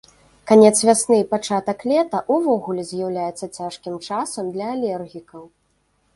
Канец вясны і пачатак лета ўвогуле з'яўляецца цяжкім часам для алергікаў.